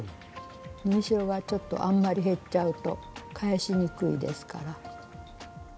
縫い代がちょっとあんまり減っちゃうと返しにくいですから。